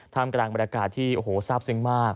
มกลางบรรยากาศที่โอ้โหทราบซึ้งมาก